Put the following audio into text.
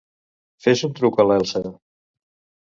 Fes un truc a l'Elsa.